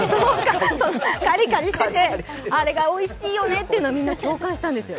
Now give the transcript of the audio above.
カリカリしてて、あれがおいしいよねって共感したんです。